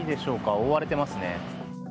覆われていますね。